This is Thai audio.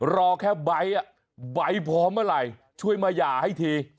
รอแค่ใบพร้อมเมื่อไหร่ช่วยมาหย่าให้ที